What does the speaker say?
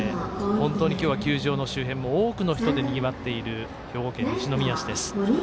今日は球場の周辺も多くの人でにぎわっている兵庫県西宮市です。